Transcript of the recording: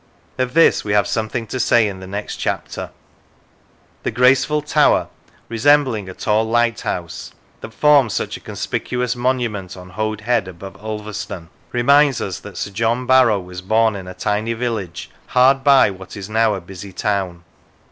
Of this we have something to say in the next chapter. The graceful tower, resembling a tall lighthouse, that forms such a conspicuous monument on Hoad Head, above Ulverston, reminds us that Sir John Barrow was born in a tiny village hard by what is now a busy town.